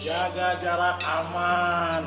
jaga jarak aman